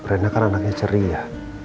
rena kan anaknya ceria